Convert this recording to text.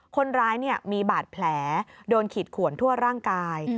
คนร้ายมีบาดแผลโดนขีดขวนทั่วร่างกาย